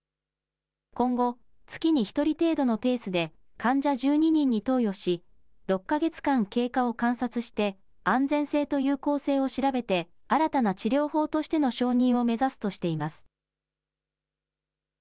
今後、月に１人程度のペースで、患者１２人に投与し、６か月間、経過を観察して安全性と有効性を調べて、新たな治療法としての承認を目指すとしています。